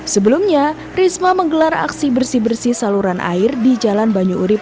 sebelumnya risma menggelar aksi bersih bersih saluran air di jalan banyu urib